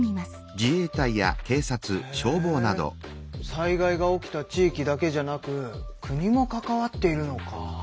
災害が起きた地域だけじゃなく国も関わっているのか。